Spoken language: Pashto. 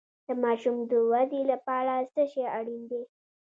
د ماشوم د ودې لپاره څه شی اړین دی؟